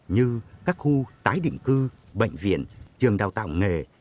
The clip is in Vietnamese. như các khu tái định cư bệnh viện trường đào tạo nghề